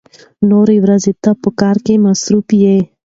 نورې ورځې ته په کار کې مصروف يې.